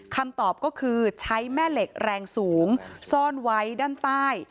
คำตอบก็คือใช้แม่เหล็กแรงสูงซ่อนไว้ด้านใต้